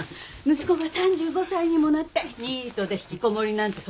息子が３５歳にもなってニートで引きこもりなんて